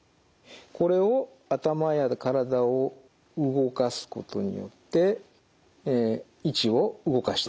これを頭や体を動かすことによって位置を動かしていきます。